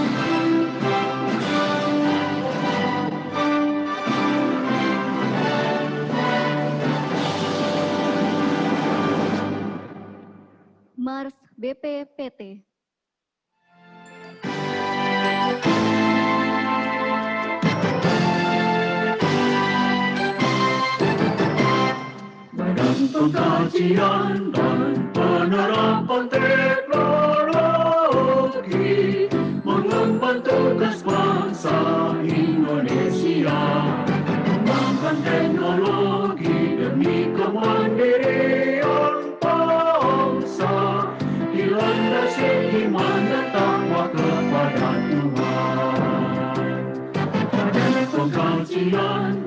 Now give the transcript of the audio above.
lagu kebangsaan indonesia raya